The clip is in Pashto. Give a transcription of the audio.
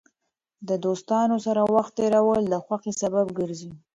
د دوستانو سره وخت تېرول د خوښۍ سبب کېږي.